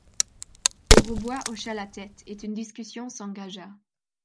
Grosbois hocha la tête, et une discussion s’engagea.